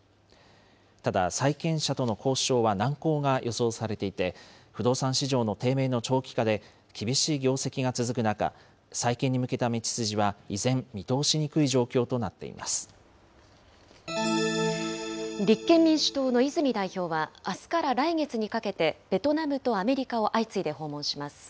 ただ、債権者との交渉は難航が予想されていて、不動産市場の低迷の長期化で厳しい業績が続く中、再建に向けた道筋は依然、見通し立憲民主党の泉代表は、あすから来月にかけてベトナムとアメリカを相次いで訪問します。